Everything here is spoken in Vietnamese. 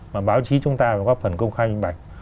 mà báo chí chúng ta phải góp phần công khai minh bạch